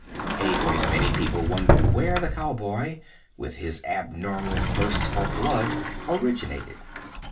A great many people wonder where the cow boy, with his abnormal thirst for blood, originated.